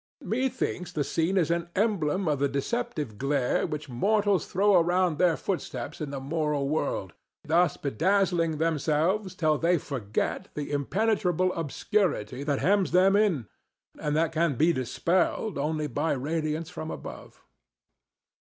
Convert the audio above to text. Methinks the scene is an emblem of the deceptive glare which mortals throw around their footsteps in the moral world, thus bedazzling themselves till they forget the impenetrable obscurity that hems them in, and that can be dispelled only by radiance from above.